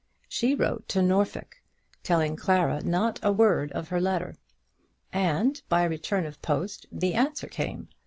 She wrote to Norfolk, telling Clara not a word of her letter, and by return of post the answer came.